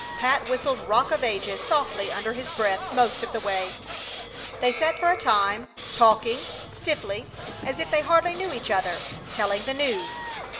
Pat whistled "Rock of Ages" softly under his breath most of the way. They sat for a time, talking, stiffly, as if they hardly knew one another, telling the news.